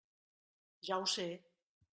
Ja ho sé!